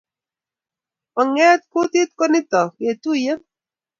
Onge kutit ko nito, ketuiyen